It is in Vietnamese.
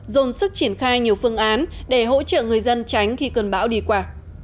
dồn sức triển khai nhiều phương án để hỗ trợ người dân tránh khi cơn bão đi qua